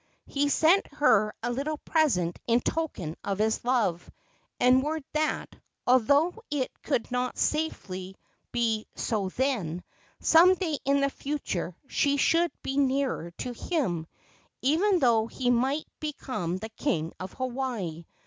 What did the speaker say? He sent her a little present in token of his love, and word that, although it could not safely be so then, some day in the future she should be nearer to him, even though he might become the king of Hawaii.